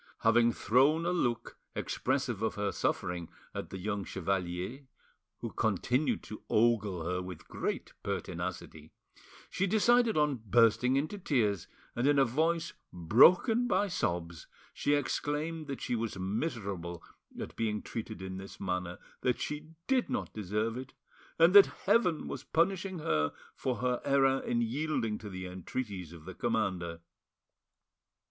Having thrown a look expressive of her suffering at the young chevalier, who continued to ogle her with great pertinacity, she decided on bursting into tears, and in a voice broken by sobs she exclaimed that she was miserable at being treated in this manner, that she did not deserve it, and that Heaven was punishing her for her error in yielding to the entreaties of the commander.